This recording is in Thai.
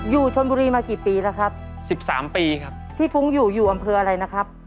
อยู่ชนบุรีมากี่ปีแล้วครับสิบสามปีครับที่ฟุ้งอยู่อยู่อำเภออะไรนะครับ